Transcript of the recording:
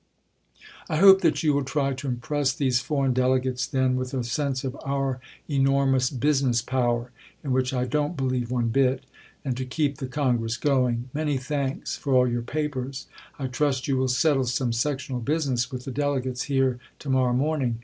I hope that you will try to impress these foreign Delegates, then, with a sense of our "enormous business power" (in which I don't believe one bit), and to keep the Congress going. Many thanks for all your papers. I trust you will settle some sectional business with the Delegates here to morrow morning.